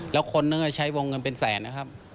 แล้วคนนึงก็ใช้วงเงินเป็นแสนนะครับ